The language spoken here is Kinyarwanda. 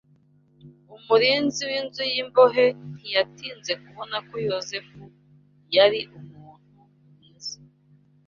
Umurinzi w’inzu y’imbohe ntiyatinze kubona ko Yozefu yari umuntu mwiza.